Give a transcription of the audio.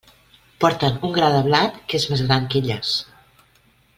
Porten un gra de blat que és més gran que elles.